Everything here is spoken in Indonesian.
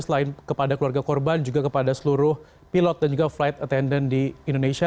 selain kepada keluarga korban juga kepada seluruh pilot dan juga flight attendant di indonesia